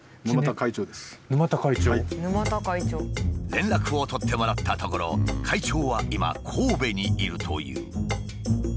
連絡を取ってもらったところ会長は今神戸にいるという。